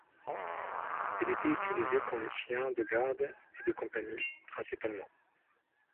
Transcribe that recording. Ils étaient utilisés comme chien de garde et de compagnie, principalement.